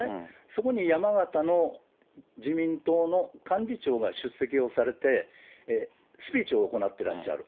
そこに山形の自民党の幹事長が出席をされて、スピーチを行ってらっしゃる。